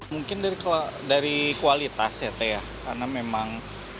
mungkin dari kualitas ya karena memang kita